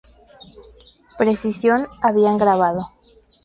Precision habían grabado.